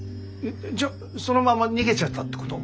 じゃあそのまま逃げちゃったってこと？